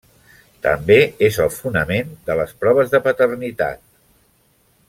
També és el fonament de les proves de paternitat.